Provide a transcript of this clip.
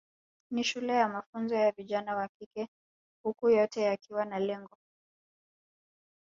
Ni shule ya mafunzo ya vijana wa kike huku yote yakiwa na lengo